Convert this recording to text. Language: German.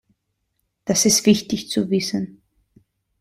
Das ist wichtig zu wissen.